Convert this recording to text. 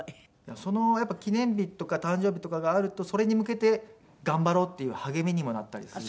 その記念日とか誕生日とかがあるとそれに向けて頑張ろうっていう励みにもなったりするので。